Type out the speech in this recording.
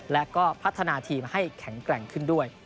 และก็พัฒนาทีมให้แข็งแกร่งขึ้นด้วย